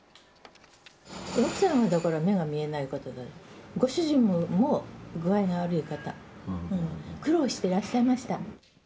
奥様は目が見えない方で、ご主人も具合が悪い方、苦労していらっしゃいました。